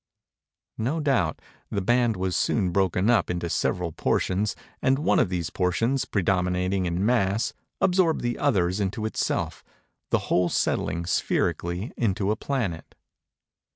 No doubt, the band was soon broken up into several portions, and one of these portions, predominating in mass, absorbed the others into itself; the whole settling, spherically, into a planet.